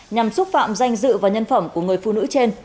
nhằm xúc phạm danh dự và nhân phẩm của người phụ nữ trên